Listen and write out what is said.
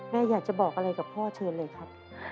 อยากจะบอกอะไรกับพ่อเชิญเลยครับ